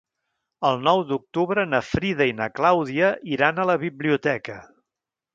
El nou d'octubre na Frida i na Clàudia iran a la biblioteca.